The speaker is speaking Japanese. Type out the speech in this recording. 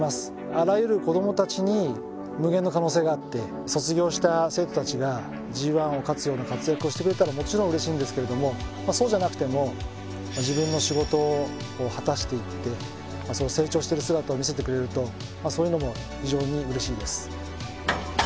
あらゆる子どもたちに無限の可能性があって卒業した生徒達がＧⅠを勝つような活躍をしてくれたらもちろん嬉しいんですけれどもそうじゃなくても自分の仕事を果たしていって成長してる姿を見せてくれるとそういうのも非常に嬉しいです